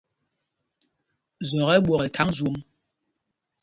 Zɔk ɛ ɓwɔ̂k ɛ tháŋ zwôm.